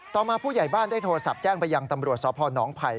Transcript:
ต่อมาผู้ใหญ่บ้านได้โทรศัพท์แจ้งไปยังตำรวจสพนไผ่